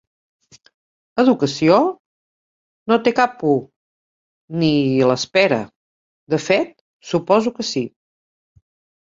"Educació" no té cap U ni I... espera, de fet, suposo que sí.